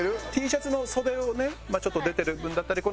Ｔシャツの袖をねちょっと出てる分だったり